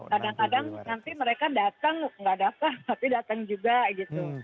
kadang kadang nanti mereka datang nggak datang tapi datang juga gitu